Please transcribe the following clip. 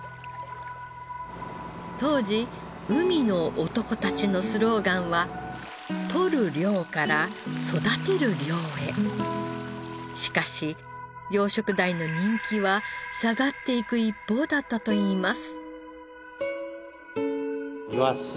当時海の男たちのスローガンはしかし養殖鯛の人気は下がっていく一方だったといいます。